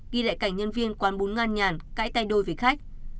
ghi lại cảnh nhân viên quán bún ngan nhàn cãi tay đôi với khách